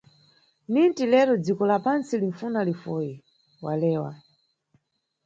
"Ninti lero, dziko la pantsi linfuna lufoyi", walewa.